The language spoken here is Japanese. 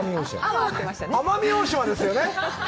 奄美大島ですよね。